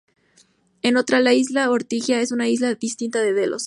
En otra, la isla de Ortigia es una isla distinta de Delos.